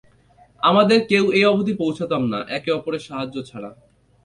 আমাদের কেউ এই অবধি পৌঁছুতাম না, একে অপরের সাহায্য ছাড়া।